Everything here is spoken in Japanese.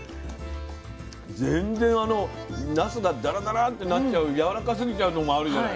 全然あのなすがダラダラってなっちゃうやわらかすぎちゃうのもあるじゃない。